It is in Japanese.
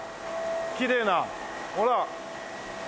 きれいなほら。